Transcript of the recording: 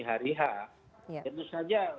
hari raya tentu saja